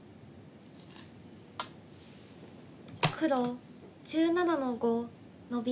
黒１７の五ノビ。